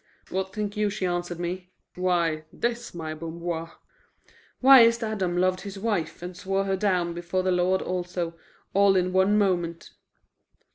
What think you she answered me? Why, this, my Bamboir: 'Why is't Adam loved his wife and swore her down before the Lord also, all in one moment?